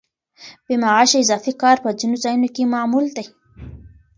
بې معاشه اضافي کار په ځینو ځایونو کې معمول دی.